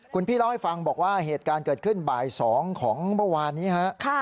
คุณพี่เล่าให้ฟังบอกว่าเหตุการณ์เกิดขึ้นบ่าย๒ของเมื่อวานนี้ฮะ